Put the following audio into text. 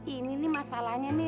ini nih masalahnya nih